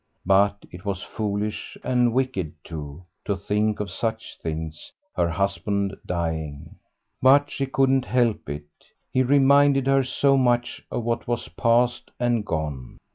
But it was foolish and wicked, too, to think of such things; her husband dying.... But she couldn't help it; he reminded her of so much of what was past and gone.